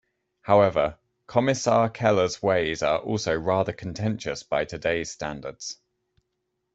However, Kommissar Keller's ways are also rather contentious by today's standards.